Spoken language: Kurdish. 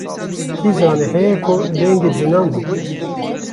Kî zane heye ko dengê cinan bû.